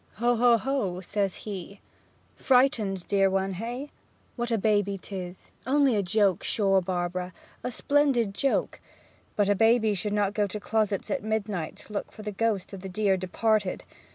'Ho ho ho!' says he. 'Frightened, dear one, hey? What a baby 'tis! Only a joke, sure, Barbara a splendid joke! But a baby should not go to closets at midnight to look for the ghost of the dear departed!